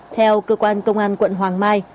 theo cơ quan công an quận hoàng mai